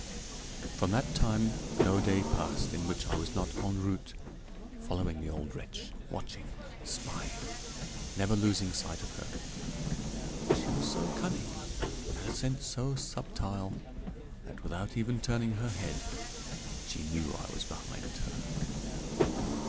From that time no day passed in which I was not en route, following the old wretch, watching, spying, never losing sight of her; but she was so cunning, had a scent so subtile that, without even turning her head, she knew I was behind her.